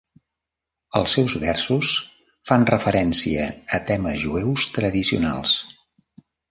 Els seus versos fan referència a temes jueus tradicionals.